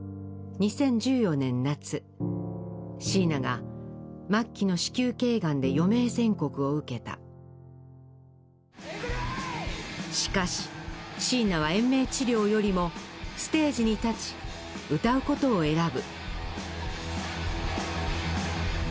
２０１４年夏シーナが末期の子宮頸がんで余命宣告を受けたしかしシーナは延命治療よりもステージに立ち歌うことを選ぶ